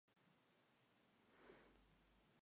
Las lluvias aparecen principalmente en otoño y primavera.